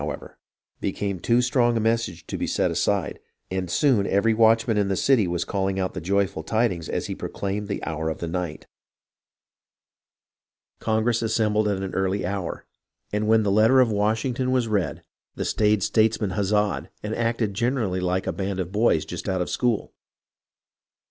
" however, became too strong a message to be set aside, and soon every watchman in the city was calling out the joyful tidings as he proclaimed the hour of the night. 384 HISTORY OF THE AMERICAN REVOLUTION Congress assembled at an early hour, and when the letter of Washington was read, the staid statesmen huzzaed and acted generally like a band of boys just out of school.